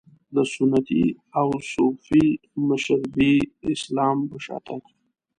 د سنتي او صوفي مشربي اسلام په شا تګ.